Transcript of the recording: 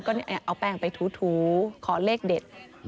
ก็เนี้ยเอาแป้งไปถูทูขอเลขเด็ดอืม